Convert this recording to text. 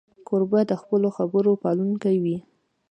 کوربه د خپلو خبرو پالونکی وي.